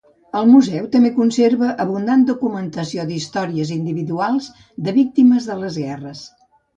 El museu també conserva abundant documentació d'històries individuals de víctimes de les guerres.